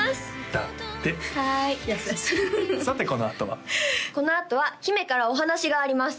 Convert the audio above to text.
だってはいさてこのあとはこのあとは姫からお話があります